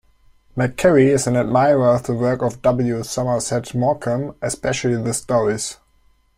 McCarry is an admirer of the work of W. Somerset Maugham, especially the stories.